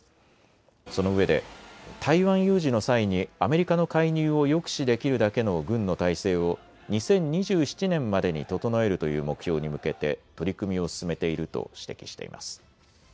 そのうえで台湾有事の際にアメリカの介入を抑止できるだけの軍の態勢を２０２７年までに整えるという目標に向けて取り組みを進めていると指摘しています。